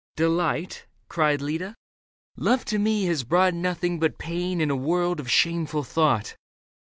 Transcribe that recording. " Delight ?" cried Leda. " Love to me has brought Nothing but pain and a world of shameful thought.